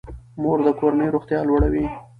مور د کورنۍ روغتیا لوړوي.